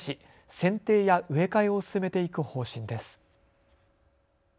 せんていや植え替えを進めていく方針です。